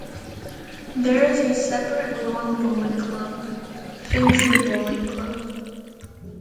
There is a separate lawn bowling club - Fintry Bowling Club.